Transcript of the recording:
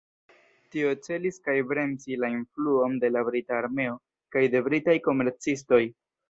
Tio celis kaj bremsi la influon de la brita armeo kaj de britaj komercistoj.